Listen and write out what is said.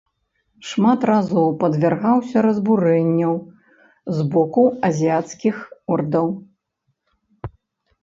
Шмат разоў падвяргаўся разбурэнняў з боку азіяцкіх ордаў.